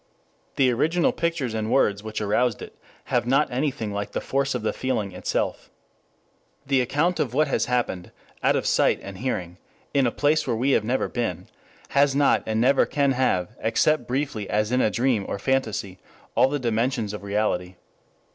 The original pictures and words which aroused it have not anything like the force of the feeling itself. The account of what has happened out of sight and hearing in a place where we have never been, has not and never can have, except briefly as in a dream or fantasy, all the dimensions of reality.